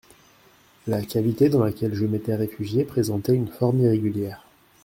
La cavité dans laquelle je m'étais réfugié présentait une forme irrégulière.